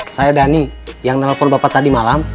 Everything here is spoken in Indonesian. saya dhani yang nelpon bapak tadi malam